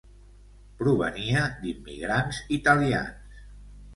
Provenia d'immigrants italians.